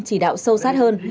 chỉ đạo sâu sát hơn